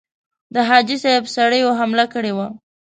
د حاجي صاحب سړیو حمله کړې وه.